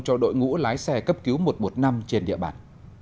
cho đội ngũ lái xe cấp cứu một trăm một mươi năm trên địa bàn